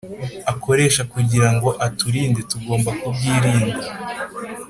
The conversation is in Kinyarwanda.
akoresha kugira ngo atugushe Tugomba kubwirinda